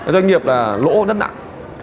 doanh nghiệp là lỗ rất nặng